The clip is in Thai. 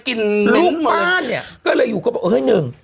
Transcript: ลูกบ้านเนี่ยก็เลยอยู่ก็บอกเฮ้ยหนึ่ง